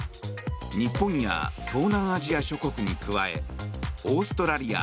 日本や東南アジア諸国に加えオーストラリア